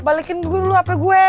balikin dulu hape gue